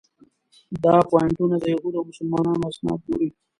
دا پواینټونه د یهودو او مسلمانانو اسناد ګوري.